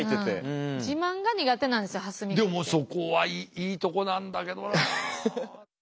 でもそこはいいとこなんだけどな。